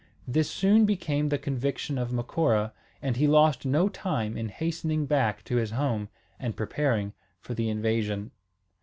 This soon became the conviction of Macora; and he lost no time in hastening back to his home, and preparing for the invasion.